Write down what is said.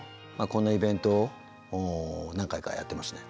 こんなイベントを何回かやってますね。